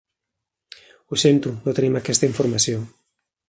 Ho sento, no tenim aquesta informació.